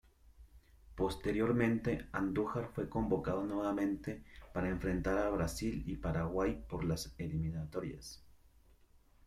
Posteriormente, Andújar fue convocado nuevamente para enfrentar a Brasil y Paraguay por las eliminatorias.